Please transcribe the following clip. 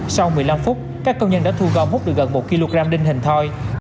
sau một mươi năm phút các công nhân đã thu gom hút được gần một kg đinh hình thoi